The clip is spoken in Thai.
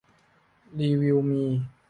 รีวิวมี